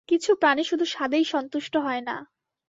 কিছু প্রাণী শুধু স্বাদেই সন্তুষ্ট হয় না।